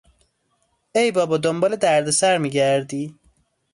ای بابا دنبال دردسر میگردی؟